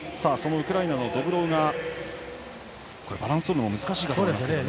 ウクライナのドブロウがバランスとるのも難しいかと思います。